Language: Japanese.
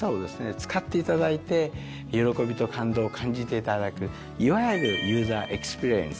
使っていただいて喜びと感動を感じていただくいわゆるユーザーエクスペリエンス